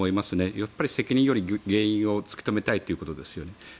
やっぱり責任より原因を突き止めたいということですよね。